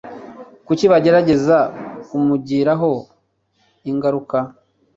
Kuki bagerageza kumugiraho ingaruka?